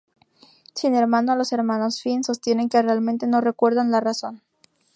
Sin embargo, los hermanos Finn sostienen que realmente no recuerdan la razón.